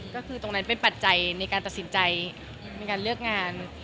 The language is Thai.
ก็คือตรงนั้นเป็นปัจจัยในการตัดสินใจในการเลือกงาน